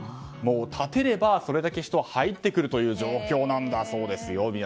建てればそれだけ人は入ってくる状況なんだそうですよ。